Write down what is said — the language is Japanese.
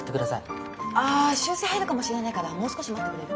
あ修正入るかもしれないからもう少し待ってくれる？